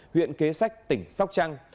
huyện kế sách tỉnh sóc trăng